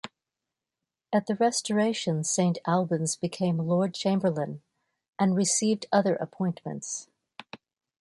At the Restoration Saint Albans became Lord Chamberlain, and received other appointments.